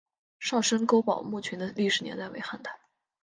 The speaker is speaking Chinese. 上深沟堡墓群的历史年代为汉代。